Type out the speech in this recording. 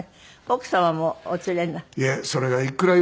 奥様もお連れになる？